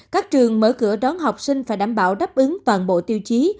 các trường mở cửa đón học sinh phải đảm bảo đáp ứng toàn bộ tiêu chí